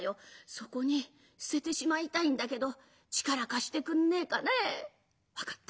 そこに捨ててしまいたいんだけど力貸してくんねえかね」。「分かった。